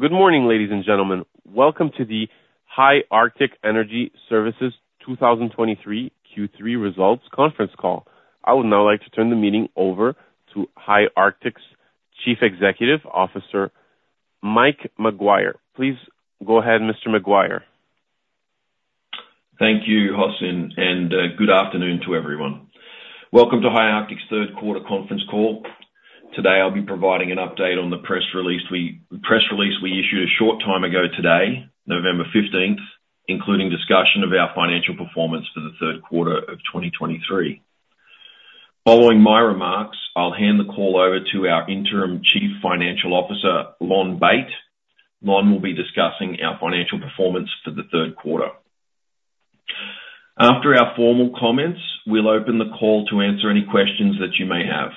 Good morning, ladies and gentlemen. Welcome to the High Arctic Energy Services 2023 Q3 results conference call. I would now like to turn the meeting over to High Arctic's Chief Executive Officer, Mike Maguire. Please go ahead, Mr. Maguire. Thank you, Hossein, and good afternoon to everyone. Welcome to High Arctic's third quarter conference call. Today, I'll be providing an update on the press release we issued a short time ago today, November fifteenth, including discussion of our financial performance for the third quarter of 2023. Following my remarks, I'll hand the call over to our Interim Chief Financial Officer, Lonn Bate. Lonn will be discussing our financial performance for the third quarter. After our formal comments, we'll open the call to answer any questions that you may have.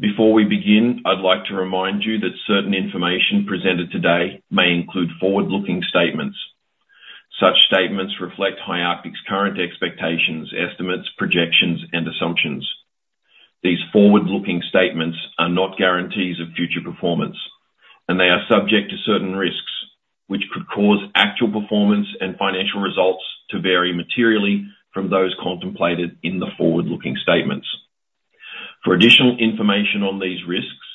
Before we begin, I'd like to remind you that certain information presented today may include forward-looking statements. Such statements reflect High Arctic's current expectations, estimates, projections, and assumptions. These forward-looking statements are not guarantees of future performance, and they are subject to certain risks, which could cause actual performance and financial results to vary materially from those contemplated in the forward-looking statements. For additional information on these risks,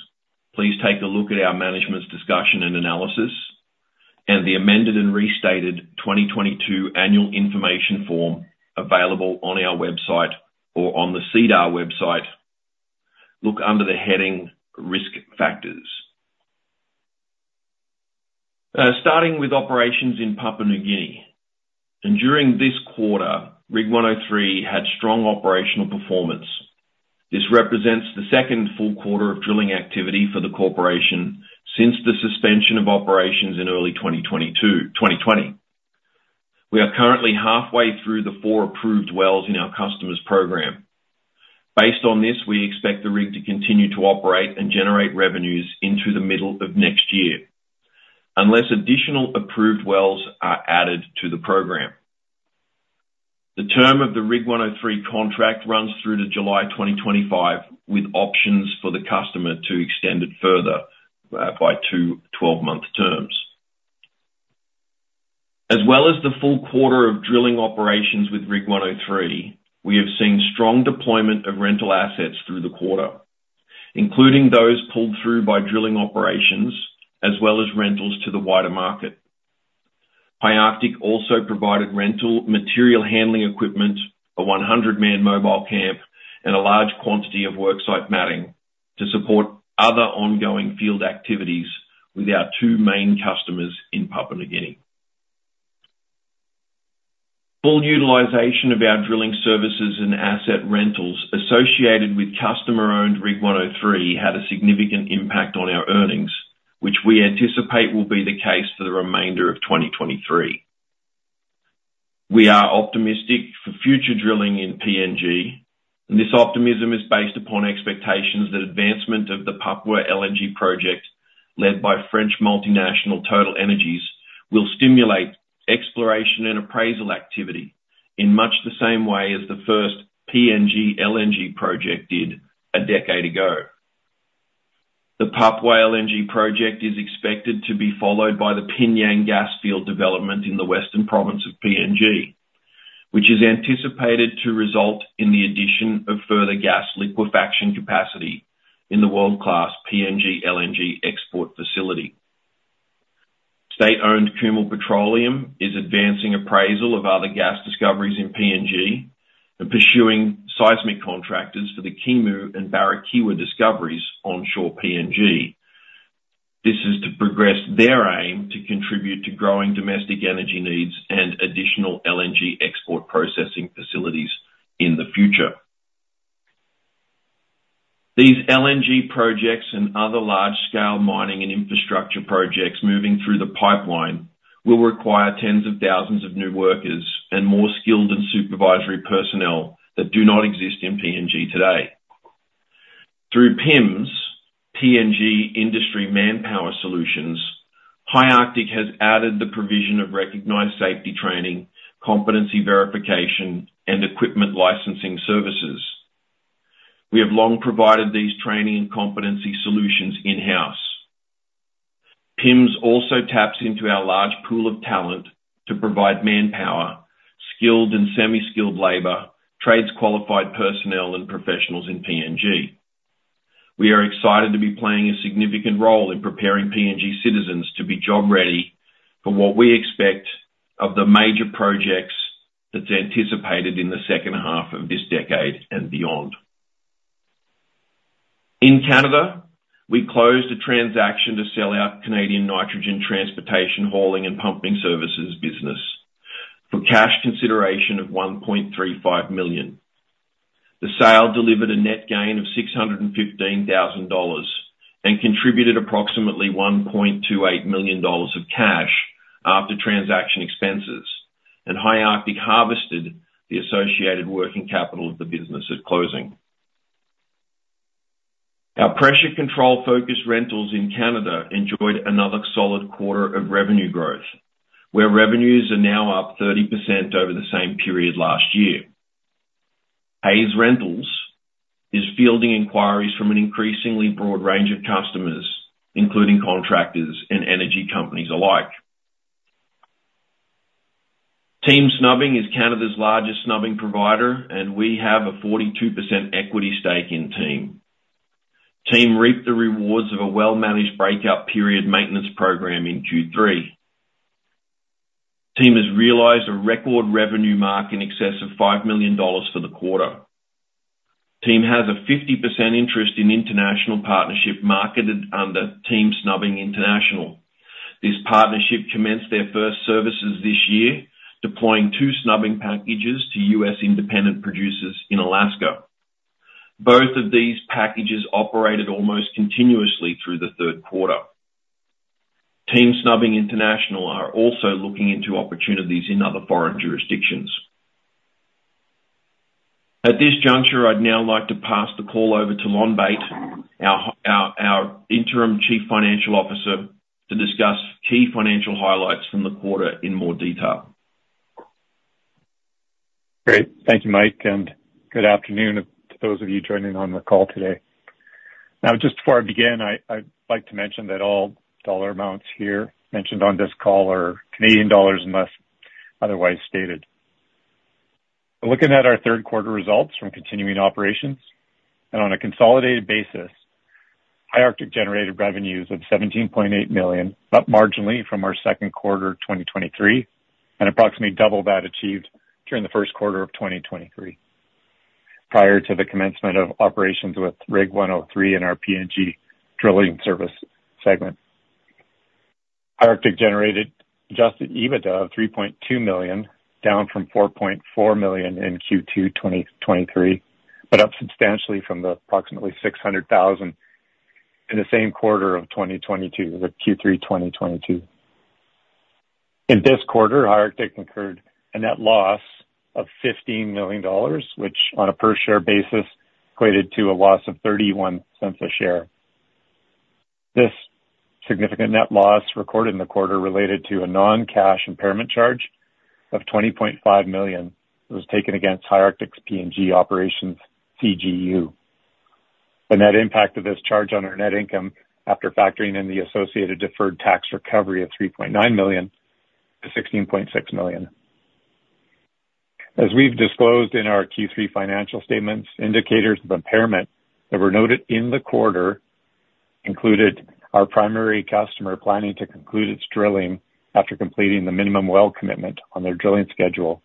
please take a look at our management's discussion and analysis, and the amended and restated 2022 annual information form available on our website or on the SEDAR website. Look under the heading, "Risk Factors." Starting with operations in Papua New Guinea. During this quarter, Rig 103 had strong operational performance. This represents the second full quarter of drilling activity for the corporation since the suspension of operations in early 2020. We are currently halfway through the four approved wells in our customers program. Based on this, we expect the rig to continue to operate and generate revenues into the middle of next year unless additional approved wells are added to the program. The term of the Rig 103 contract runs through to July 2025, with options for the customer to extend it further by two 12-month terms. As well as the full quarter of drilling operations with Rig 103, we have seen strong deployment of rental assets through the quarter, including those pulled through by drilling operations, as well as rentals to the wider market. High Arctic also provided rental material handling equipment, a 100-man mobile camp, and a large quantity of work site matting to support other ongoing field activities with our two main customers in Papua New Guinea. Full utilization of our drilling services and asset rentals associated with customer-owned Rig 103 had a significant impact on our earnings, which we anticipate will be the case for the remainder of 2023. We are optimistic for future drilling in PNG, and this optimism is based upon expectations that advancement of the Papua LNG project, led by French multinational TotalEnergies, will stimulate exploration and appraisal activity in much the same way as the first PNG LNG project did a decade ago. The Papua LNG project is expected to be followed by the PNG gas field development in the Western Province of PNG, which is anticipated to result in the addition of further gas liquefaction capacity in the world-class PNG LNG export facility. State-owned Kumul Petroleum is advancing appraisal of other gas discoveries in PNG and pursuing seismic contractors for the Kimu and Barikewa discoveries onshore PNG. This is to progress their aim to contribute to growing domestic energy needs and additional LNG export processing facilities in the future. These LNG projects and other large-scale mining and infrastructure projects moving through the pipeline will require tens of thousands of new workers and more skilled and supervisory personnel that do not exist in PNG today. Through PIMS, PNG Industry Manpower Solutions, High Arctic has added the provision of recognized safety training, competency verification, and equipment licensing services. We have long provided these training and competency solutions in-house. PIMS also taps into our large pool of talent to provide manpower, skilled and semi-skilled labor, trades qualified personnel, and professionals in PNG. We are excited to be playing a significant role in preparing PNG citizens to be job ready for what we expect of the major projects that's anticipated in the second half of this decade and beyond. In Canada, we closed a transaction to sell our Canadian nitrogen transportation, hauling, and pumping services business for cash consideration of 1.35 million. The sale delivered a net gain of 615,000 dollars and contributed approximately 1.28 million dollars of cash after transaction expenses, and High Arctic harvested the associated working capital of the business at closing. Our pressure control-focused rentals in Canada enjoyed another solid quarter of revenue growth, where revenues are now up 30% over the same period last year. Hayes Rentals is fielding inquiries from an increasingly broad range of customers, including contractors and energy companies alike. Team Snubbing is Canada's largest snubbing provider, and we have a 42% equity stake in Team. Team reaped the rewards of a well-managed breakout period maintenance program in Q3. Team has realized a record revenue mark in excess of $5 million for the quarter. Team has a 50% interest in international partnership marketed under Team Snubbing International. This partnership commenced their first services this year, deploying two snubbing packages to U.S. independent producers in Alaska. Both of these packages operated almost continuously through the third quarter. Team Snubbing International are also looking into opportunities in other foreign jurisdictions. At this juncture, I'd now like to pass the call over to Lonn Bate, our Interim Chief Financial Officer, to discuss key financial highlights from the quarter in more detail. Great. Thank you, Mike, and good afternoon to those of you joining on the call today. Now, just before I begin, I, I'd like to mention that all dollar amounts here mentioned on this call are Canadian dollars, unless otherwise stated. Looking at our third quarter results from continuing operations, and on a consolidated basis, High Arctic generated revenues of 17.8 million, up marginally from our second quarter, 2023, and approximately double that achieved during the first quarter of 2023 prior to the commencement of operations with Rig 103 in our PNG drilling service segment. High Arctic generated Adjusted EBITDA of 3.2 million, down from 4.4 million in Q2 2023, but up substantially from the approximately 600,000 in the same quarter of 2022, with Q3 2022. In this quarter, High Arctic incurred a net loss of 15 million dollars, which, on a per-share basis, equated to a loss of 0.31 per share. This significant net loss recorded in the quarter related to a non-cash impairment charge of 20.5 million, was taken against High Arctic's PNG operations CGU. The net impact of this charge on our net income, after factoring in the associated deferred tax recovery of 3.9 million to 16.6 million. As we've disclosed in our Q3 financial statements, indicators of impairment that were noted in the quarter included our primary customer planning to conclude its drilling after completing the minimum well commitment on their drilling schedule,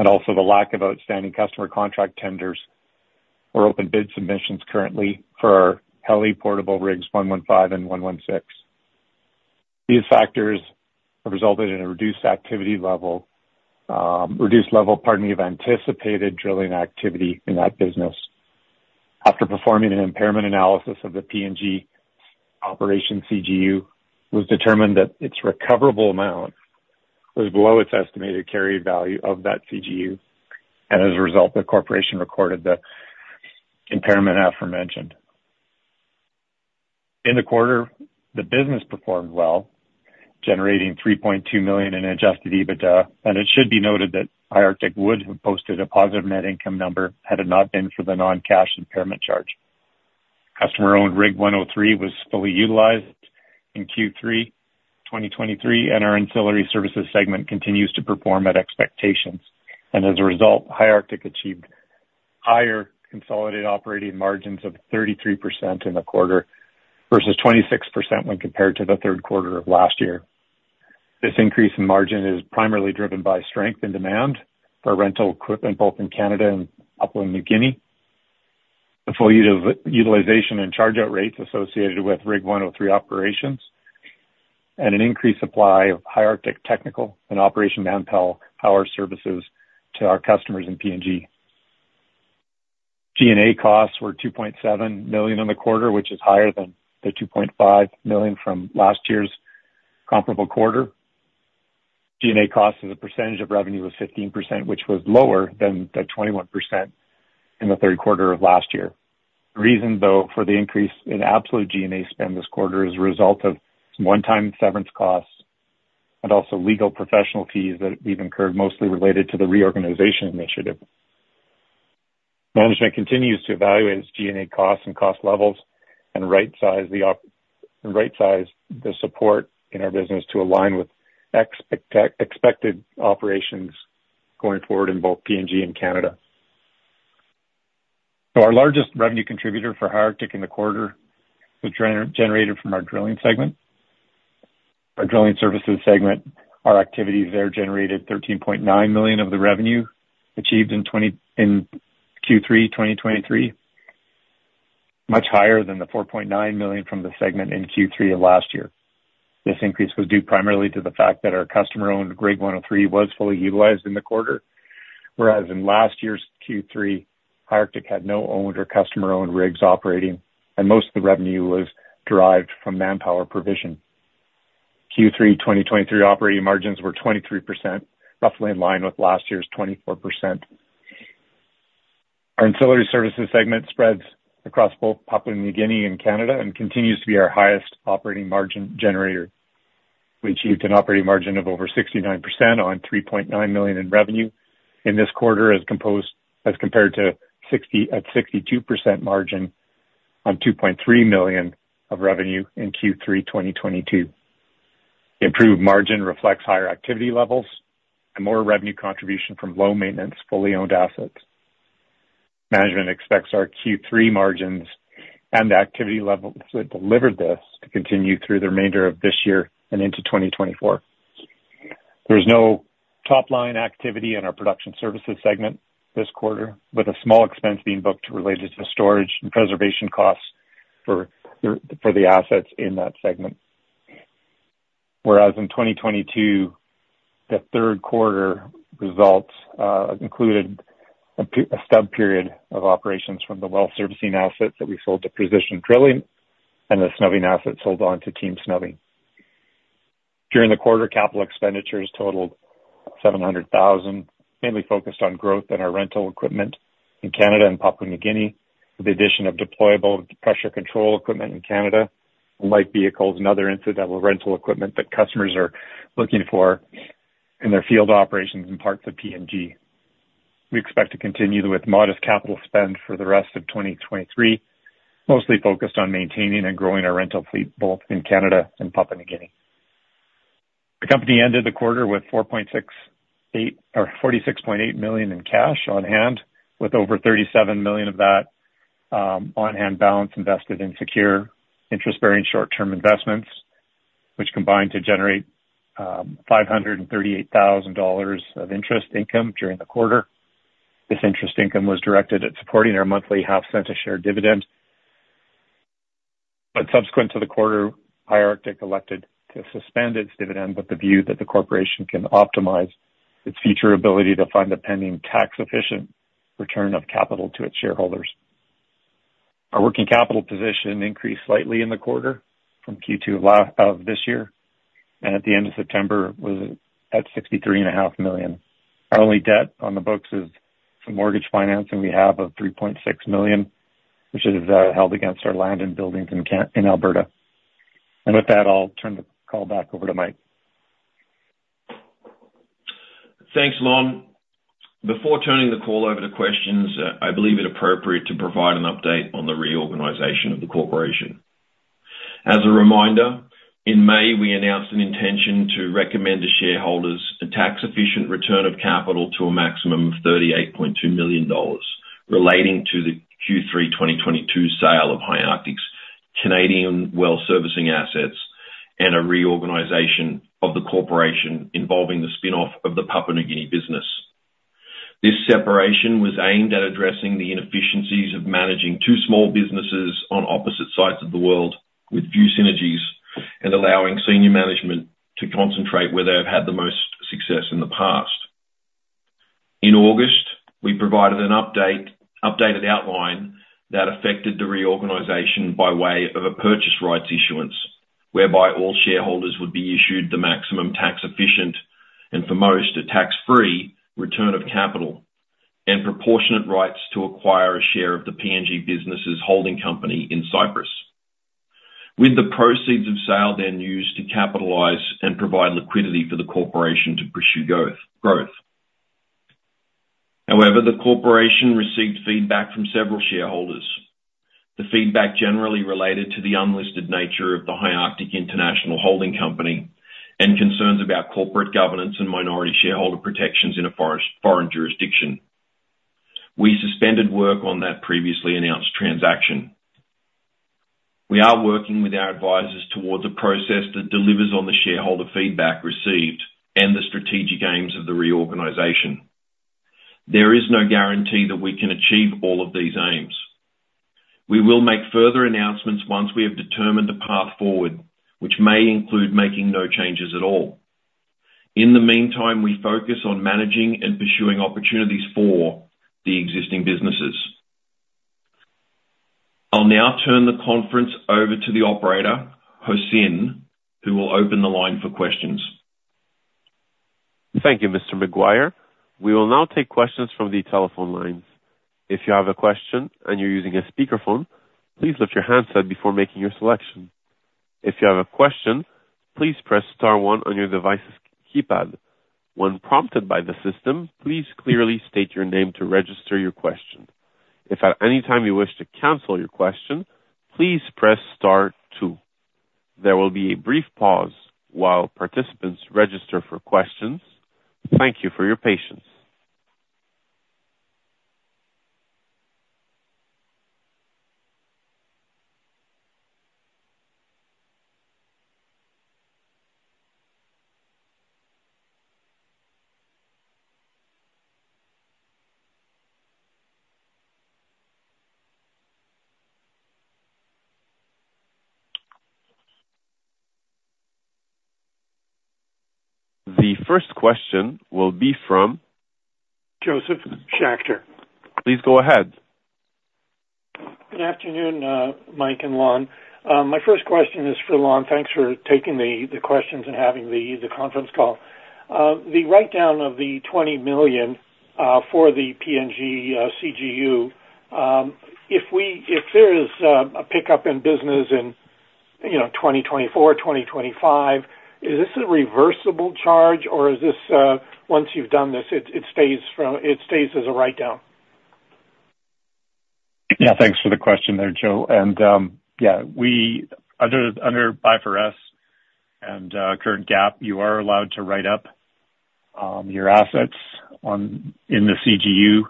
and also the lack of outstanding customer contract tenders or open bid submissions currently for Heli-Portable Rigs 115 and 116. These factors have resulted in a reduced activity level, reduced level, pardon me, of anticipated drilling activity in that business. After performing an impairment analysis of the PNG operation, CGU was determined that its recoverable amount was below its estimated carried value of that CGU, and as a result, the corporation recorded the aforementioned impairment. In the quarter, the business performed well, generating 3.2 million in Adjusted EBITDA, and it should be noted that High Arctic would have posted a positive net income number had it not been for the non-cash impairment charge. Customer-owned Rig 103 was fully utilized in Q3 2023, and our ancillary services segment continues to perform at expectations. As a result, High Arctic achieved higher consolidated operating margins of 33% in the quarter versus 26% when compared to the third quarter of last year. This increase in margin is primarily driven by strength and demand for rental equipment, both in Canada and Papua New Guinea. The full utilization and charge-out rates associated with Rig 103 operations and an increased supply of High Arctic technical and operation manpower, power services to our customers in PNG. G&A costs were 2.7 million in the quarter, which is higher than the 2.5 million from last year's comparable quarter. G&A costs as a percentage of revenue was 15%, which was lower than the 21% in the third quarter of last year. The reason, though, for the increase in absolute G&A spend this quarter is a result of one-time severance costs and also legal professional fees that we've incurred, mostly related to the reorganization initiative. Management continues to evaluate its G&A costs and cost levels and right size the operations and right size the support in our business to align with expected operations going forward in both PNG and Canada. So our largest revenue contributor for High Arctic in the quarter was generated from our drilling segment. Our drilling services segment, our activities there generated 13.9 million of the revenue achieved in Q3 2023, much higher than the 4.9 million from the segment in Q3 of last year. This increase was due primarily to the fact that our customer-owned Rig 103 was fully utilized in the quarter, whereas in last year's Q3, High Arctic had no owned or customer-owned rigs operating, and most of the revenue was derived from manpower provision. Q3 2023 operating margins were 23%, roughly in line with last year's 24%. Our ancillary services segment spreads across both Papua New Guinea and Canada and continues to be our highest operating margin generator. We achieved an operating margin of over 69% on 3.9 million in revenue in this quarter, as composed, as compared to 60, at 62% margin on 2.3 million of revenue in Q3 2022. The improved margin reflects higher activity levels and more revenue contribution from low maintenance, fully owned assets. Management expects our Q3 margins and activity levels that delivered this to continue through the remainder of this year and into 2024. There's no top line activity in our production services segment this quarter, with a small expense being booked related to storage and preservation costs for the assets in that segment. Whereas in 2022, the third quarter results included a stub period of operations from the well servicing assets that we sold to Precision Drilling and the snubbing assets sold on to Team Snubbing. During the quarter, capital expenditures totaled 700,000, mainly focused on growth in our rental equipment in Canada and Papua New Guinea, with the addition of deployable pressure control equipment in Canada, light vehicles, and other incidental rental equipment that customers are looking for in their field operations in parts of PNG. We expect to continue with modest capital spend for the rest of 2023, mostly focused on maintaining and growing our rental fleet, both in Canada and Papua New Guinea. The company ended the quarter with 4.68... or 46.8 million in cash on hand, with over 37 million of that on-hand balance invested in secure interest-bearing short-term investments, which combined to generate 538 thousand dollars of interest income during the quarter. This interest income was directed at supporting our monthly CAD 0.005 per share dividend. But subsequent to the quarter, High Arctic elected to suspend its dividend with the view that the corporation can optimize its future ability to fund a pending tax efficient return of capital to its shareholders. Our working capital position increased slightly in the quarter from Q2 of this year, and at the end of September, was at 63.5 million. Our only debt on the books is for mortgage financing we have of 3.6 million, which is held against our land and buildings in Alberta. With that, I'll turn the call back over to Mike. Thanks, Lonn. Before turning the call over to questions, I believe it appropriate to provide an update on the reorganization of the corporation. As a reminder, in May, we announced an intention to recommend to shareholders a tax efficient return of capital to a maximum of 38.2 million dollars relating to the Q3 2022 sale of High Arctic's Canadian well servicing assets, and a reorganization of the corporation involving the spinoff of the Papua New Guinea business. This separation was aimed at addressing the inefficiencies of managing two small businesses on opposite sides of the world, with few synergies, and allowing senior management to concentrate where they have had the most success in the past. In August, we provided an update, updated outline that affected the reorganization by way of a purchase rights issuance, whereby all shareholders would be issued the maximum tax efficient, and for most, a tax-free return of capital and proportionate rights to acquire a share of the PNG business's holding company in Cyprus. With the proceeds of sale then used to capitalize and provide liquidity for the corporation to pursue growth. However, the corporation received feedback from several shareholders. The feedback generally related to the unlisted nature of the High Arctic International Holding Company, and concerns about corporate governance and minority shareholder protections in a foreign jurisdiction. We suspended work on that previously announced transaction. We are working with our advisors towards a process that delivers on the shareholder feedback received and the strategic aims of the reorganization. There is no guarantee that we can achieve all of these aims. We will make further announcements once we have determined the path forward, which may include making no changes at all. In the meantime, we focus on managing and pursuing opportunities for the existing businesses. I'll now turn the conference over to the operator, Hossein, who will open the line for questions. Thank you, Mr. Maguire. We will now take questions from the telephone lines. If you have a question and you're using a speakerphone, please lift your handset before making your selection. If you have a question, please press star one on your device's keypad. When prompted by the system, please clearly state your name to register your question. If at any time you wish to cancel your question, please press star two. There will be a brief pause while participants register for questions. Thank you for your patience. The first question will be from? Josef Schachter. Please go ahead. Good afternoon, Mike and Lonn. My first question is for Lonn. Thanks for taking the questions and having the conference call. The write down of 20 million for the PNG CGU, if there is a pickup in business in, you know, 2024, 2025, is this a reversible charge or is this, once you've done this, it stays as a write down? Yeah, thanks for the question there, Joe. And, yeah, we under IFRS and current GAAP, you are allowed to write up your assets in the CGU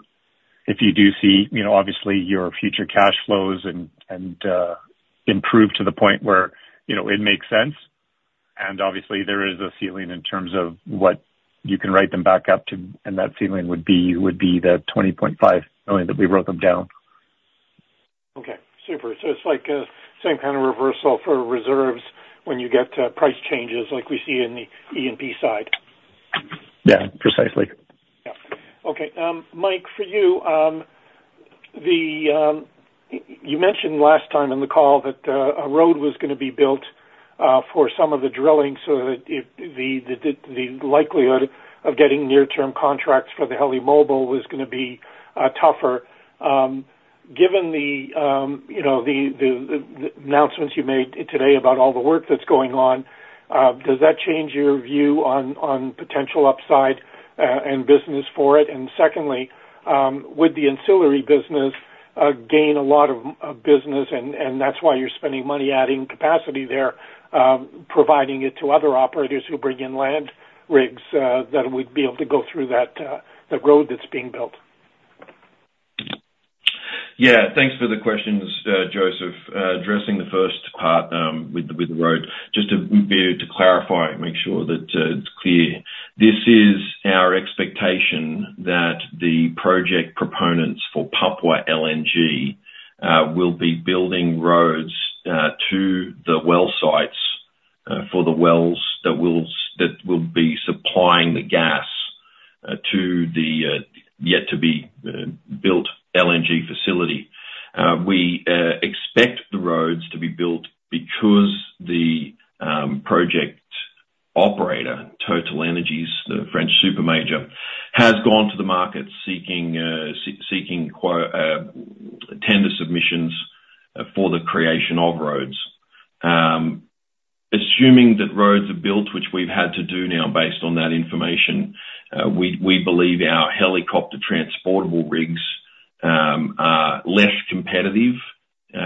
if you do see, you know, obviously, your future cash flows improve to the point where, you know, it makes sense. And obviously, there is a ceiling in terms of what you can write them back up to, and that ceiling would be 20.5 million that we wrote them down. Okay, super. So it's like a same kind of reversal for reserves when you get price changes like we see in the E&P side? Yeah, precisely. Yeah. Okay, Mike, for you, you mentioned last time on the call that a road was gonna be built for some of the drilling so that the likelihood of getting near-term contracts for the heli-portable was gonna be tougher. Given, you know, the announcements you made today about all the work that's going on, does that change your view on potential upside and business for it? And secondly, would the ancillary business gain a lot of business and that's why you're spending money adding capacity there, providing it to other operators who bring in land rigs that would be able to go through that road that's being built? Yeah, thanks for the questions, Josef. Addressing the first part, with the road, just to be able to clarify and make sure that it's clear. This is our expectation that the project proponents for Papua LNG will be building roads to the well sites for the wells that will be supplying the gas to the yet-to-be built LNG facility. We expect the roads to be built because the project operator, TotalEnergies, the French super major, has gone to the market seeking tender submissions for the creation of roads. Assuming that roads are built, which we've had to do now based on that information, we believe our helicopter transportable rigs are less competitive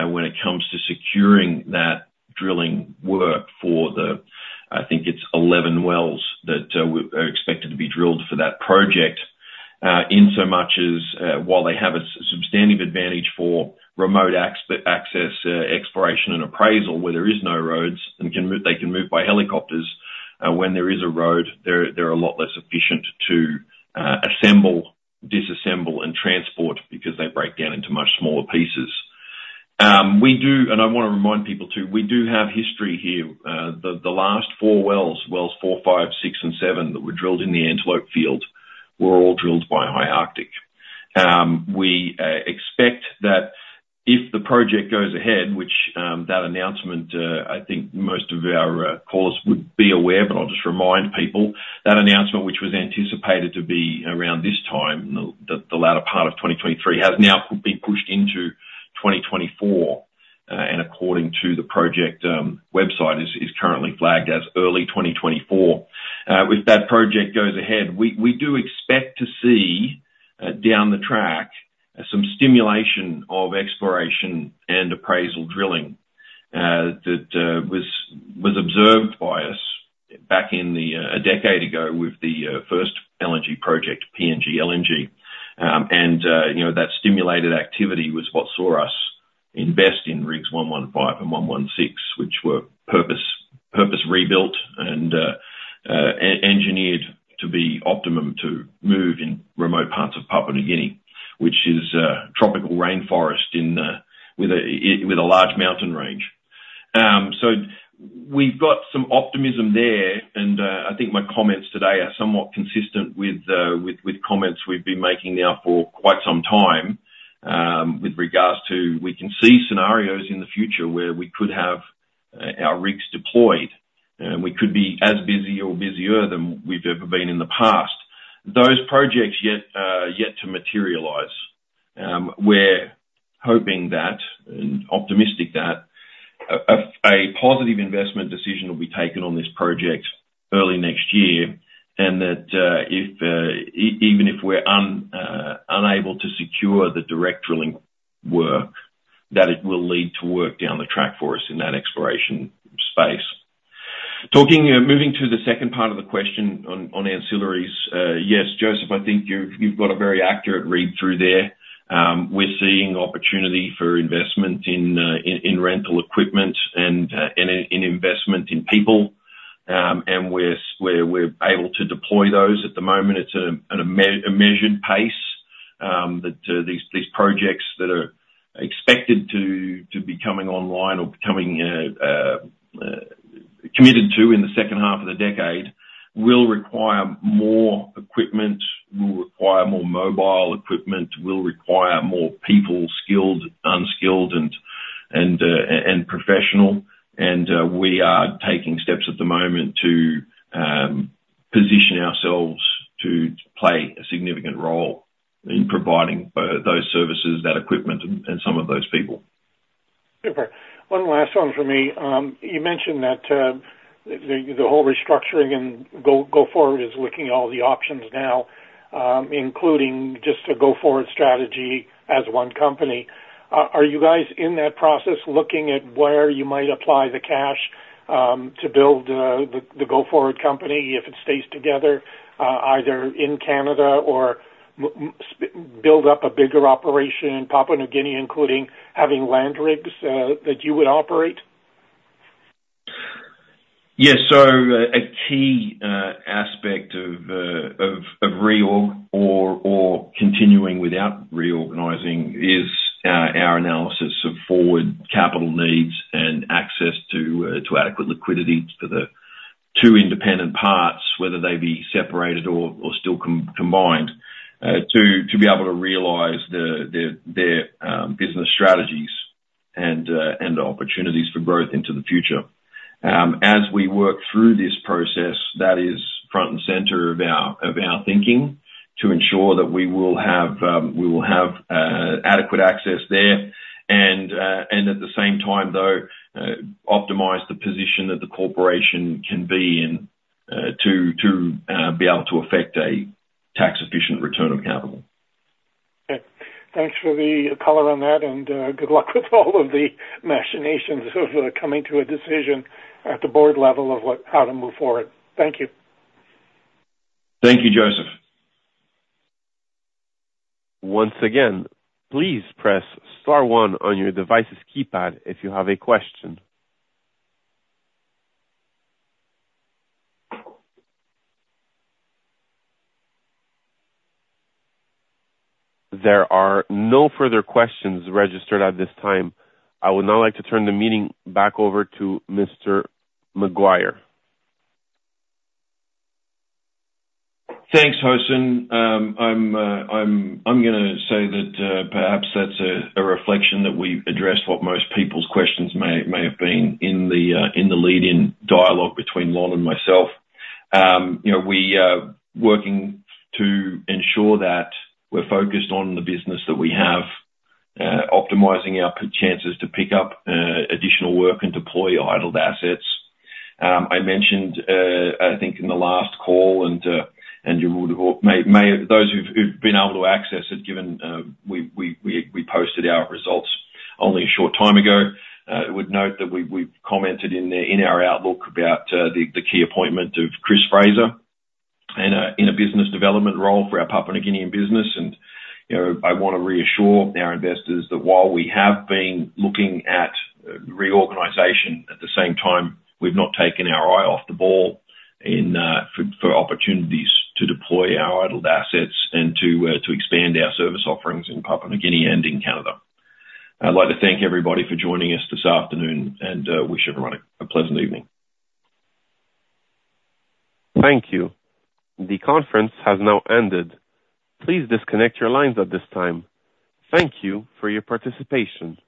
when it comes to securing that drilling work for the, I think it's 11 wells that are expected to be drilled for that project. Insomuch as, while they have a substantive advantage for remote access, exploration, and appraisal, where there is no roads and they can move by helicopters, when there is a road, they're a lot less efficient to assemble, disassemble, and transport because they break down into much smaller pieces. We do... And I wanna remind people, too, we do have history here. The last four wells, wells four, five, six, and seven, that were drilled in the Antelope Field, were all drilled by High Arctic. We expect that if the project goes ahead, which, that announcement, I think most of our callers would be aware, but I'll just remind people, that announcement, which was anticipated to be around this time, the latter part of 2023, has now been pushed into 2024. And according to the project website, is currently flagged as early 2024. If that project goes ahead, we do expect to see down the track some stimulation of exploration and appraisal drilling that was observed by us back in a decade ago with the first LNG project, PNG LNG. And, you know, that stimulated activity was what saw us invest in rigs 115 and 116, which were purpose, purpose rebuilt and, engineered to be optimum to move in remote parts of Papua New Guinea, which is a tropical rainforest in the... with a, with a large mountain range. So we've got some optimism there, and, I think my comments today are somewhat consistent with, with, with comments we've been making now for quite some time, with regards to we can see scenarios in the future where we could have, our rigs deployed, and we could be as busy or busier than we've ever been in the past. Those projects yet, yet to materialize. We're hoping that, and optimistic that, a positive investment decision will be taken on this project early next year, and that, even if we're unable to secure the direct drilling work, that it will lead to work down the track for us in that exploration space. Talking, moving to the second part of the question on ancillaries, yes, Josef, I think you've got a very accurate read through there. We're seeing opportunity for investment in rental equipment and investment in people. And we're able to deploy those at the moment at a measured pace. These projects that are expected to be coming online or becoming committed to in the second half of the decade will require more mobile equipment, will require more people, skilled, unskilled, and professional. We are taking steps at the moment to position ourselves to play a significant role in providing those services, that equipment, and some of those people. Super. One last one from me. You mentioned that the whole restructuring and go forward is looking at all the options now, including just a go forward strategy as one company. Are you guys in that process, looking at where you might apply the cash to build the go forward company, if it stays together, either in Canada or build up a bigger operation in Papua New Guinea, including having land rigs that you would operate? Yeah. So a key aspect of reorg or continuing without reorganizing is our analysis of forward capital needs and access to adequate liquidity to the two independent parts, whether they be separated or still combined, to be able to realize their business strategies and opportunities for growth into the future. As we work through this process, that is front and center of our thinking, to ensure that we will have adequate access there, and at the same time, though, optimize the position that the corporation can be in, to be able to affect a tax-efficient return on capital. Okay. Thanks for the color on that, and good luck with all of the machinations of coming to a decision at the board level of what- how to move forward. Thank you. Thank you, Josef. Once again, please press star one on your device's keypad if you have a question. There are no further questions registered at this time. I would now like to turn the meeting back over to Mr. Maguire. Thanks, Hossein. I'm gonna say that perhaps that's a reflection that we've addressed what most people's questions may have been in the lead-in dialogue between Lonn and myself. You know, we are working to ensure that we're focused on the business that we have, optimizing our chances to pick up additional work and deploy idled assets. I mentioned, I think in the last call, and you would or may, those who've been able to access it, given we posted our results only a short time ago, would note that we've commented in our outlook about the key appointment of Chris Fraser in a business development role for our Papua New Guinean business. You know, I wanna reassure our investors that while we have been looking at reorganization, at the same time, we've not taken our eye off the ball in, for opportunities to deploy our idled assets and to expand our service offerings in Papua New Guinea and in Canada. I'd like to thank everybody for joining us this afternoon, and wish everyone a pleasant evening. Thank you. The conference has now ended. Please disconnect your lines at this time. Thank you for your participation.